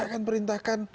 saya akan perintahkan